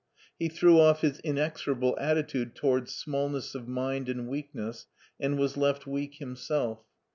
He threw off his inexorable attitude towards smallness of mind and weakness and was left weak himself.